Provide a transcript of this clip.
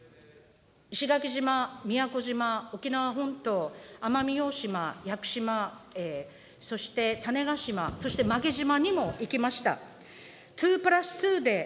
石垣島、宮古島、沖縄本島、奄美大島、屋久島、そして種子島、そして馬毛島にも行きました。